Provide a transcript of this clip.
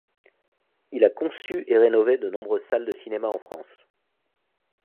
Il a conçu et rénové de nombreuses salles de cinéma en France.